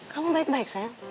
kamu baik baik sayang